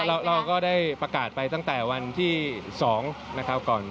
เพราะเราก็ได้ประกาศไปตั้งแต่วันที่๒นะครับ